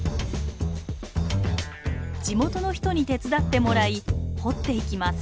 地元の人に手伝ってもらい掘っていきます。